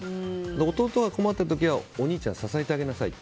弟が困ってる時は、お兄ちゃんが支えてあげなさいって。